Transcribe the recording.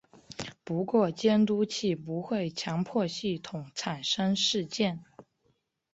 不过监督器不会强迫系统产生事件。